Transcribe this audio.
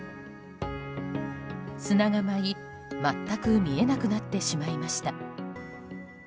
砂が舞い、全く見えなくなってしまいました。